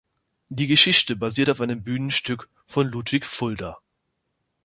Die Geschichte basiert auf einem Bühnenstück von Ludwig Fulda.